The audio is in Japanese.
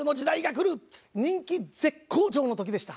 人気絶好調の時でした。